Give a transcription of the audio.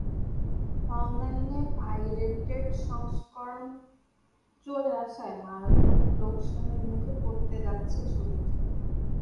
অনলাইনে পাইরেটেড সংস্করণ চলে আসায় মারাত্মক লোকসানের মুখে পড়তে যাচ্ছে ছবিটি।